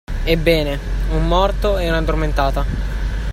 Ebbene, un morto e un'addormentata.